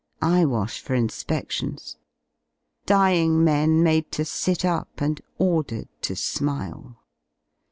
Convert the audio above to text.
Eye wash for inspections : dying men made to sit up and ordered to smile.